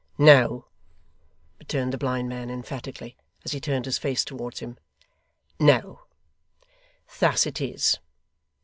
'No,' returned the blind man emphatically, as he turned his face towards him. 'No. Thus it is.